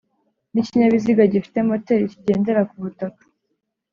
N’ikinyabiziga gifite moteri kigendera ku butaka